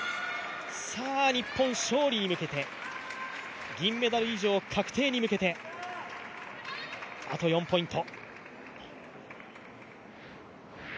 日本、勝利に向けて銀メダル以上確定に向けてあと４ポイント。